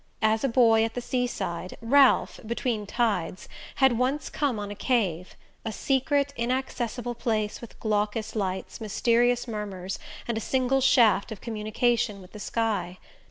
As a boy at the sea side, Ralph, between tides, had once come on a cave a secret inaccessible place with glaucous lights, mysterious murmurs, and a single shaft of communication with the sky.